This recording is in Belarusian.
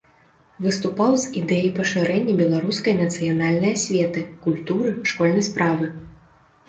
Выступаў з ідэяй пашырэння беларускай нацыянальнай асветы, культуры, школьнай справы.